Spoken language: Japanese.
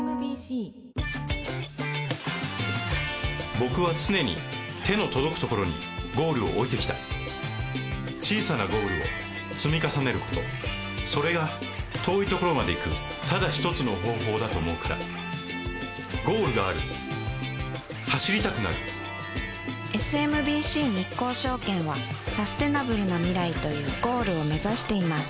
僕は常に手の届くところにゴールを置いてきた小さなゴールを積み重ねることそれが遠いところまで行くただ一つの方法だと思うからゴールがある走りたくなるＳＭＢＣ日興証券はサステナブルな未来というゴールを目指しています